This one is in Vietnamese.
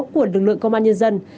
của lực lượng công an nhân dân